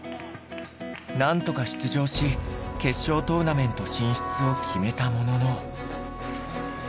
なんとか出場し決勝トーナメント進出を決めたものの。